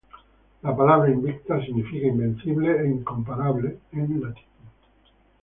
La palabra "Invicta" significa "Invencible e Incomparable" en latín.